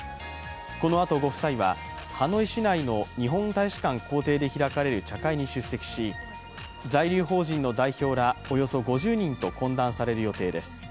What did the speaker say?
このあとご夫妻は、ハノイ市内から日本大使館公邸で開かれる茶会に出席し在留邦人の代表らおよそ５０人と懇談される予定です。